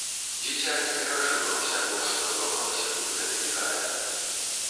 Дзіця не перажыла ўсяго, што адбывалася тут гэтымі гадамі.